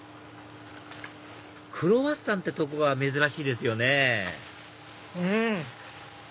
クロワッサンってとこが珍しいですよねうん！